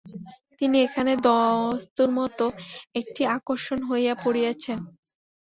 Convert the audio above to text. তিনি এখানে দস্তুরমত একটি আকর্ষণ হইয়া পড়িয়াছেন।